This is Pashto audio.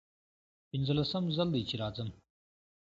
پنځلسم ځل دی چې راځم.